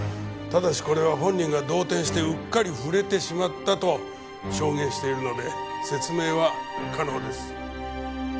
ただしこれは本人が動転してうっかり触れてしまったと証言しているので説明は可能です。